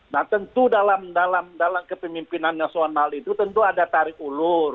nah tentu dalam kepemimpinan nasional itu tentu ada tarik ulur